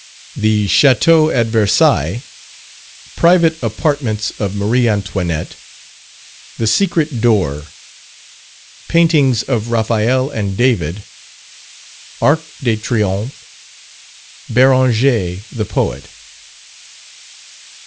_The Chateau at Versailles Private apartments of Marie Antoinette The Secret Door Paintings of Raphael and David Arc de Triomphe Beranger the Poet.